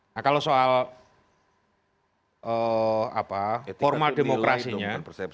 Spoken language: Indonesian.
nah kalau soal formal demokrasinya